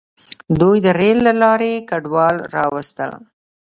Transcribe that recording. دوی د ریل له لارې کډوال راوستل.